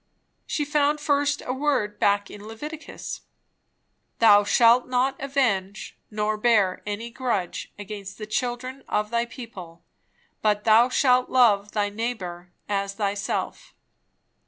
She found first a word back in Leviticus "Thou shalt not avenge, nor bear any grudge against the children of thy people, but thou shalt love thy neighbour as thyself."